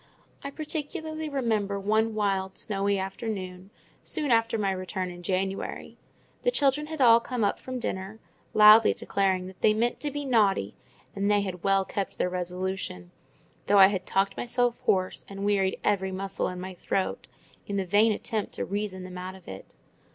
I particularly remember one wild, snowy afternoon, soon after my return in January: the children had all come up from dinner, loudly declaring that they meant "to be naughty;" and they had well kept their resolution, though I had talked myself hoarse, and wearied every muscle in my throat, in the vain attempt to reason them out of it.